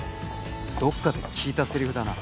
どっかで聞いたせりふだな。